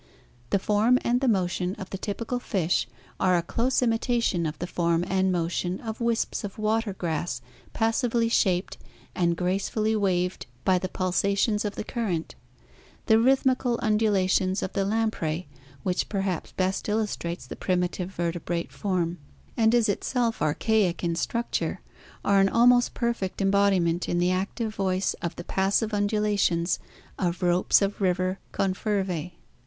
The fora and the cicdoc cc the typkal rssh arc a dose nritatkn of the focra and cx6:c of wisps of water grass pas srvefy shaped ard gracef uZy waved by the peisatkes of the current. The rhrthzucal ioiulii>xs of the iasiprey. wi5ch perhaps best illustrates the prirnitive vertebrate fora. asi is itself archaic in strjeture, are an ahr oist perfect ecbocizaent in the active voice of the passive trndulitic as of ropes of river cccfervae.